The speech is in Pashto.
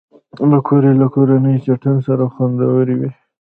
پکورې له کورني چټن سره خوندورې وي